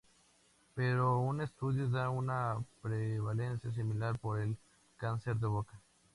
Pero un estudio da una prevalencia similar por el cáncer de boca.